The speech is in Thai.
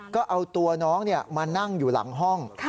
ก็เอาตัวน้องมานั่งอยู่หลังห้อง